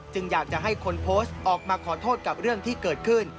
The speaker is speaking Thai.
อยากจะให้คนโพสต์ออกมาขอโทษกับเรื่องที่เกิดขึ้น